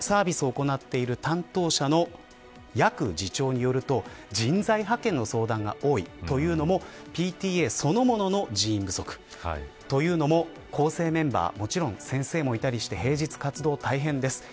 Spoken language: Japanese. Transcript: サービスを行っている担当者の夜久次長によると人材派遣の相談が多いというのもＰＴＡそのものの人員不足というのも構成メンバーはもちろん、先生もいたりして平日の活動、大変です。